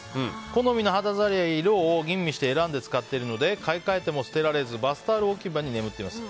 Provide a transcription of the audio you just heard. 好みの肌触りや色を吟味して選んで使っているので買い替えても捨てられずバスタオル置き場に眠っています。